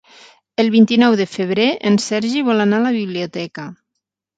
El vint-i-nou de febrer en Sergi vol anar a la biblioteca.